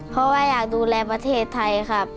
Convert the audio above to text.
เพราะว่าอยากดูแลประเทศไทยครับ